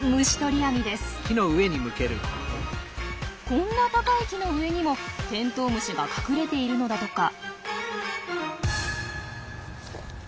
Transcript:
こんな高い木の上にもテントウムシが隠れているのだとか。